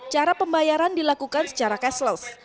cara pembayaran dilakukan secara cashless